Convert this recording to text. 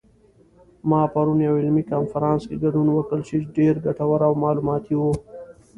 ما پرون یوه علمي کنفرانس کې ګډون وکړ چې ډېر ګټور او معلوماتي و